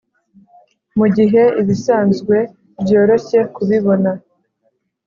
mugihe ibisanzwe byoroshye kubibona,